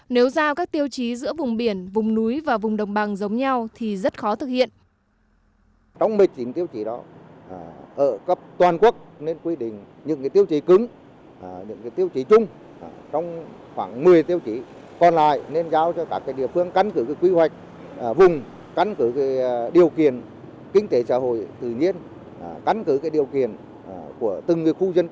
nếu giao các tiêu chí giữa vùng biển vùng núi và vùng đồng bằng giống nhau thì rất khó thực hiện